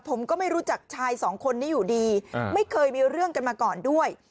ผมก็ไม่รู้จักชายสองคนนี้อยู่ดีไม่เคยมีเรื่องกันมาก่อนด้วย